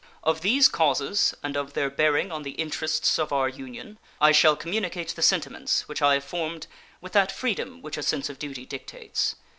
Of these causes and of their bearing on the interests of our Union I shall communicate the sentiments which I have formed with that freedom which a sense of duty dictates.